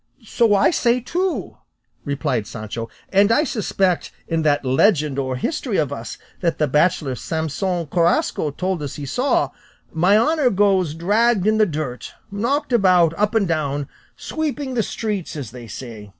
"So I say too," replied Sancho; "and I suspect in that legend or history of us that the bachelor Samson Carrasco told us he saw, my honour goes dragged in the dirt, knocked about, up and down, sweeping the streets, as they say.